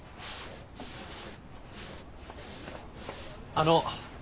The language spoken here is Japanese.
あの。